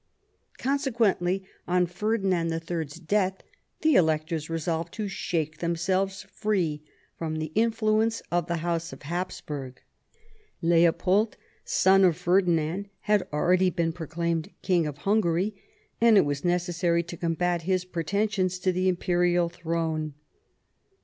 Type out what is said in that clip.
Consequently, on Ferdinand III.'s death the electors resolved to shake themselves free from the influence of the house of Hapsburg. Leopold, son of Ferdinand, had already been proclaimed King of Hungary, and it was necessary to combat his pretensions to the imperial throne.